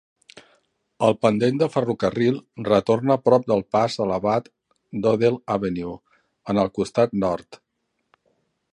El pendent de ferrocarril retorna prop del pas elevat d'Odell Avenue en el costat nord.